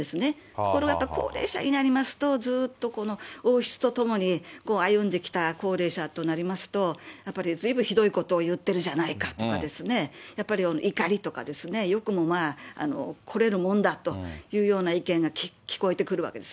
ところがやっぱり高齢者になりますと、ずっと王室と共に歩んできた高齢者となりますと、やっぱり、ずいぶんひどいことを言ってるじゃないかとかですね、やっぱり怒りとかですね、よくもまあ来れるもんだというような意見が聞こえてくるわけです